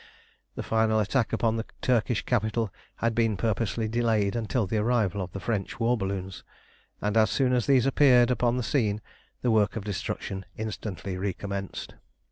The final attack upon the Turkish capital had been purposely delayed until the arrival of the French war balloons, and as soon as these appeared upon the scene the work of destruction instantly recommenced.